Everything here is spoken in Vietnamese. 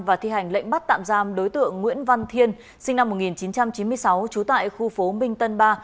và thi hành lệnh bắt tạm giam đối tượng nguyễn văn thiên sinh năm một nghìn chín trăm chín mươi sáu trú tại khu phố minh tân ba